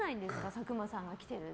佐久間さんが来てるって。